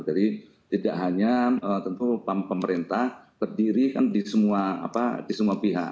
jadi tidak hanya tentu pemerintah terdiri kan di semua pihak